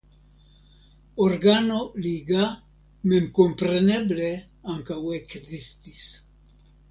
Organo liga memkompreneble ankaŭ ekzistis.